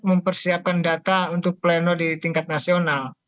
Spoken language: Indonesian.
mempersiapkan data untuk pleno di tingkat nasional